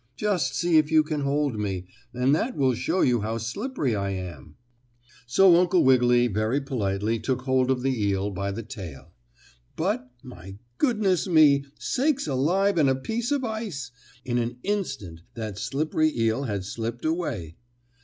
"Just see if you can hold me, and that will show you how slippery I am." So Uncle Wiggily very politely took hold of the eel by the tail. But, my goodness me, sakes alive and a piece of ice! In an instant that slippery eel had slipped away.